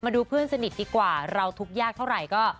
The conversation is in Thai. มาดูเพื่อนสนิทดีกว่าเราทุกข์ยากเท่าไหร่ก็